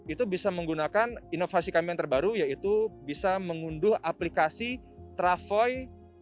itu bisa menggunakan inovasi kami yang terbaru yaitu bisa mengunduh aplikasi travoi